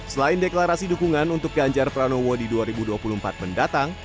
selain deklarasi dukungan untuk ganjar pranowo di dua ribu dua puluh empat mendatang